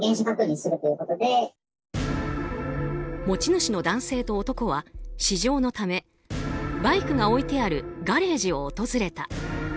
持ち主の男性と男は試乗のためバイクが置いてあるガレージを訪れた。